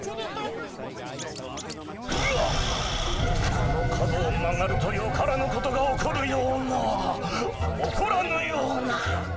この角を曲がるとよからぬことが起こるような起こらぬような。